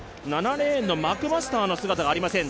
７レーンのマクマスターの姿がありません